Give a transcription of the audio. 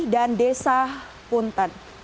dan desa punten